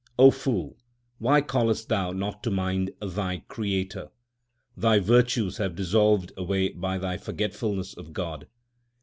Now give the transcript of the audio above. O fool, why callest thou not to mind Thy Creator ? Thy virtues have dissolved away by thy forgetfulness of God.